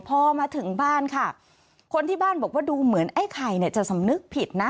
พอมาถึงบ้านค่ะคนที่บ้านบอกว่าดูเหมือนไอ้ไข่เนี่ยจะสำนึกผิดนะ